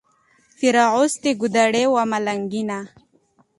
پیر اغوستې ګودړۍ وه ملنګینه